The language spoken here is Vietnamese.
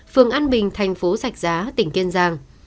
phường an bình thành phố sạch giá tỉnh kiên giang